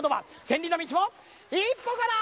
千里の道も一歩から！